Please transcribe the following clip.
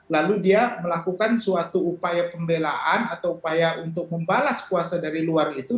lalu dia melakukan suatu upaya pembelaan atau upaya untuk membalas kuasa dari luar itu